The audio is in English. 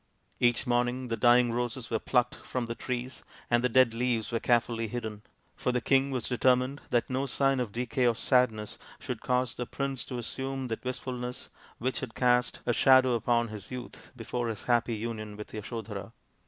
Each morning the dying roses were plucked from the trees and the dead leaves were carefully hidden. For the king was determined that no sign of decay or sadness should cause the prince to assume that wistfulness which had cast a shadow upon his youth before his happy union with Yasodhara.